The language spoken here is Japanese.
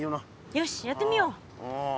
よしやってみよう！